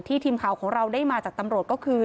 ทีมข่าวของเราได้มาจากตำรวจก็คือ